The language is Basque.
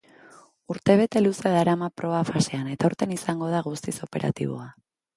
Urtebete luze darama proba-fasean eta aurten izango da guztiz operatiboa.